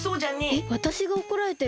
えっわたしがおこられてるの？